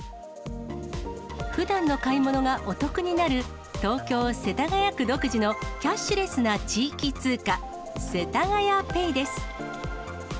ふだんの買い物がお得になる東京・世田谷区独自のキャッシュレスな地域通貨、せたがやＰａｙです。